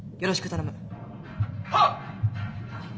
「はっ！」。